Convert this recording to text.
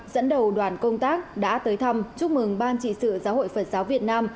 dẫn đầu đoàn công tác đã tới thăm chúc mừng ban trị sự giáo hội phật giáo việt nam